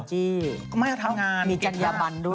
หรือแบบไงมากอะมีจัญญาบันดู